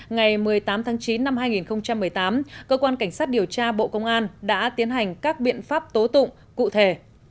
ngày một mươi tám tháng chín năm hai nghìn một mươi tám cơ quan cảnh sát điều tra bộ công an đã tiến hành các biện pháp tố tụng cụ thể